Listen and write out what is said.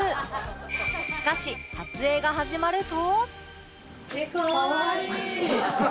しかし撮影が始まると